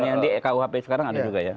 yang di rkuhp sekarang ada juga ya